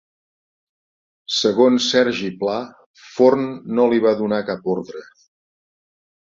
Segons Sergi Pla, Forn no li va donar cap ordre.